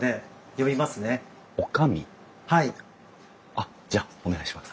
あっじゃあお願いします。